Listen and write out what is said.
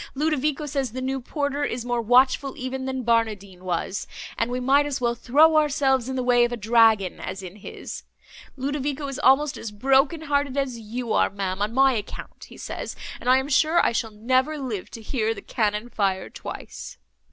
Ludovico says the new porter is more watchful even than Barnardine was, and we might as well throw ourselves in the way of a dragon, as in his. Ludovico is almost as broken hearted as you are, ma'am, on my account, he says, and I am sure I shall never live to hear the cannon fire twice!"